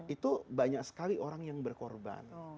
itu banyak sekali orang yang berkorban